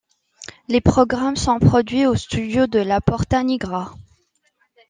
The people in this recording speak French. Les programmes sont produits au studio de la Porta Nigra.